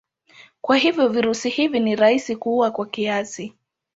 Kwa hivyo virusi hivi ni rahisi kuua kwa kiasi.